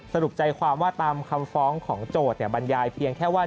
สรุปใจความว่าตามคำฟ้องของโจทย์บรรยายเพียงแค่ว่า